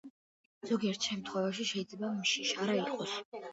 ზოგიერთ შემთხვევაში შეიძლება მშიშარა იყოს.